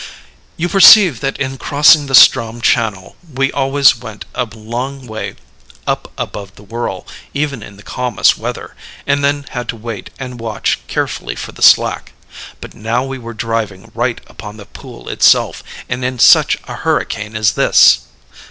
"You perceive that in crossing the Ström channel we always went a long way up above the whirl, even in the calmest weather, and then had to wait and watch carefully for the slack; but now we were driving right upon the pool itself, and in such a hurricane as this!